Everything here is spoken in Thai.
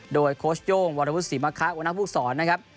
โดยโคชโย่งวรพุษศรีมะคะอุณหภูมิสอนนะครับ